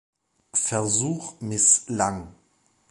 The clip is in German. Versuch misslang.